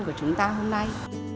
của chúng ta hôm nay